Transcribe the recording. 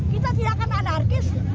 kita tidak akan anarkis